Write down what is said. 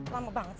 lama banget sih